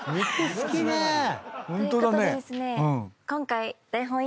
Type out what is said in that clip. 今回。